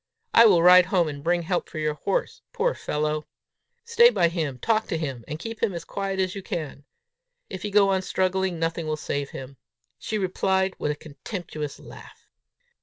I will ride home and bring help for your horse, poor fellow! Stay by him, talk to him, and keep him as quiet as you can. If he go on struggling, nothing will save him." She replied with a contemptuous laugh.